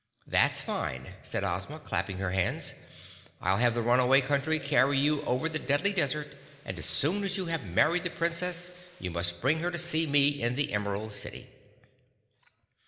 "That's fine," said Ozma, clapping her hands. "I'll have the Runaway country carry you over the Deadly Desert, and as soon as you have married the Princess you must bring her to see me in the Emerald City."